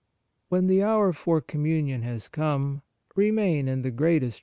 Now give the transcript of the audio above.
When the hour for Communion has come, remain in the greatest * 2 Thess.